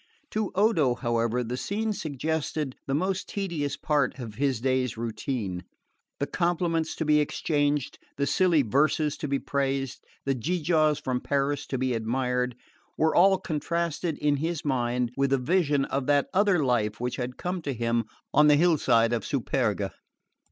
To Odo, however, the scene suggested the most tedious part of his day's routine. The compliments to be exchanged, the silly verses to be praised, the gewgaws from Paris to be admired, were all contrasted in his mind with the vision of that other life which had come to him on the hillside of the Superga.